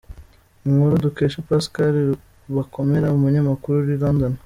Inkuru dukesha Pascal Bakomere umunyamakuru uri i London.